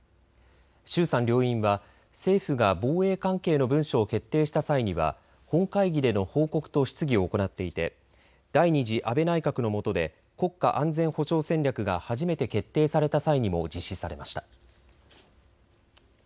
衆参両院は政府が防衛関係の文書を決定した際には本会議での報告と質疑を行っていて第２次安倍内閣のもとで国家安全保障戦略が初めて決定された際にも実施されました。